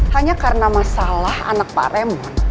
hanya karena masalah anak pak remo